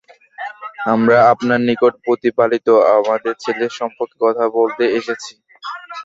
আমরা আপনার নিকট প্রতিপালিত আমাদের ছেলে সম্পর্কে কথা বলতে এসেছি।